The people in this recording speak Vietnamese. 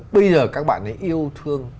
bây giờ các bạn ấy yêu thương